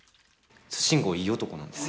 慎吾いい男なんです。